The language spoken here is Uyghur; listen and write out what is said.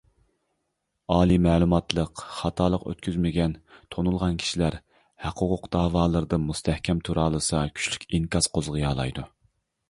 ئالىي مەلۇماتلىق، خاتالىق ئۆتكۈزمىگەن، تونۇلغان كىشىلەر ھەق-ھوقۇق دەۋالىرىدا مۇستەھكەم تۇرالىسا، كۈچلۈك ئىنكاس قوزغىيالايدۇ.